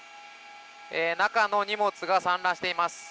中の荷物が散乱しています。